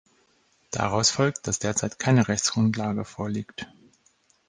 Daraus folgt, dass derzeit keine Rechtsgrundlage vorliegt.